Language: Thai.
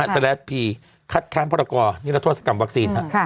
สลัดพีคัดค้านพอร์ตกรนี่เราโทษกรรมวัคซีน